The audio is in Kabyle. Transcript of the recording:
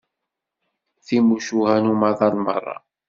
Timucuha n umaḍal merra.